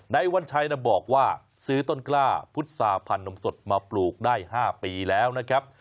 วัญชัยบอกว่าซื้อต้นกล้าพุษาพันธ์นมสดมาปลูกได้๕ปีแล้วนะครับ